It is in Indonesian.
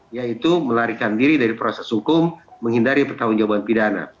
yaitu melarikan diri dari proses hukum menghindari pertanggung jawaban pidana